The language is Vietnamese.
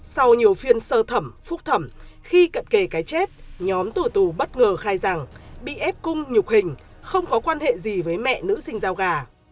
sau nhiều phiên sơ thẩm phúc thẩm khi cận kề cái chết nhóm tù tù bất ngờ khai rằng bị ép cung nhục hình không có quan hệ gì với mẹ nữ sinh giao gà